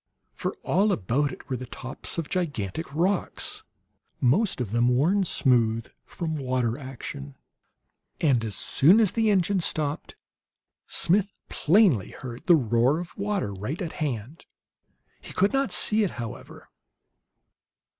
For all about it were the tops of gigantic rocks, most of them worn smooth from water action. And, as soon as the engine stopped, Smith plainly heard the roar of water right at hand. He could not see it, however.